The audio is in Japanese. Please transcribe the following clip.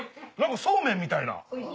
何かそうめんみたいな。